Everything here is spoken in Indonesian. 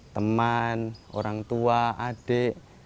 teman orang tua adik